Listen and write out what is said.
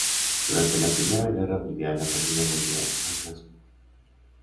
Durante la Primera Guerra Mundial, la familia volvió a Glasgow.